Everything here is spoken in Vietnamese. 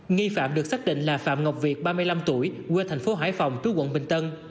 nghi phạm được xác định là phạm ngọc việt ba mươi năm tuổi quê thành phố hải phòng trú quận bình tân